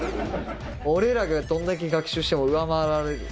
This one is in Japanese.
俺らがどんだけ学習しても上回られる。